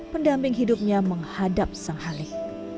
pendamping hidupnya menghadap sang halik